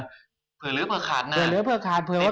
อย่าเพิ่งเคลื่อนเนื้อเปิดขาดนะ